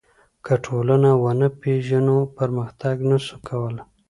که ټولنه ونه پېژنو پرمختګ نسو کولای.